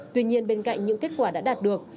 tuy nhiên bên cạnh những kết quả đã đạt được